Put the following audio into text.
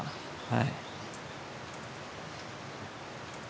はい。